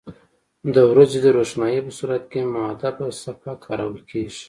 د ورځې د روښنایي په صورت کې محدبه صفحه کارول کیږي.